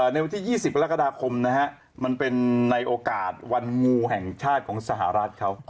ในวันที่๒๐กรกฎาคมนะฮะมันเป็นในโอกาสวันงูแห่งชาติของสหรัฐเขา